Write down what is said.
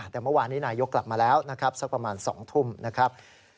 แต่เมื่อวานนี้นายกกลับมาแล้วนะครับสักประมาณ๒ทุ่มนะครับ